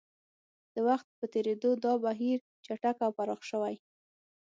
د وخت په تېرېدو دا بهیر چټک او پراخ شوی